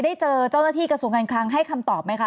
เจอเจ้าหน้าที่กระทรวงการคลังให้คำตอบไหมคะ